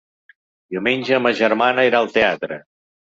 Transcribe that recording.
Diumenge ma germana irà al teatre.